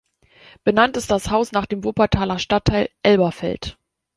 Benannt ist das Haus nach dem Wuppertaler Stadtteil Elberfeld.